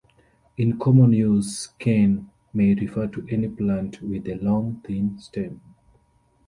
In common use, "cane" may refer to any plant with a long, thin stem.